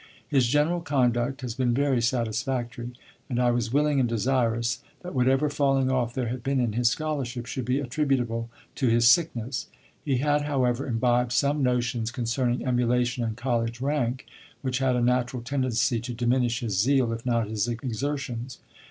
His general conduct has been very satisfactory, and I was willing and desirous that whatever falling off there had been in his scholarship should be attributable to his sickness. He had, however, imbibed some notions concerning emulation and college rank which had a natural tendency to diminish his zeal, if not his exertions.